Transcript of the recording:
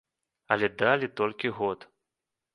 Але далі толькі год.